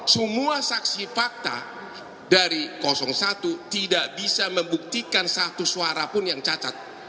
semua saksi fakta dari satu tidak bisa membuktikan satu suara pun yang cacat